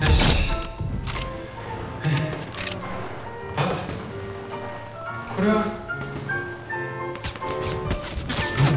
あっこれは？何だ？